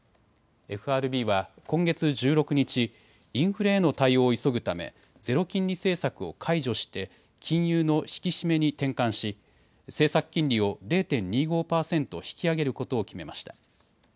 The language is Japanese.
ＦＲＢは今月１６日、インフレへの対応を急ぐためゼロ金利政策を解除して金融の引き締めに転換し政策金利を０．２５％引き上げることを決めました。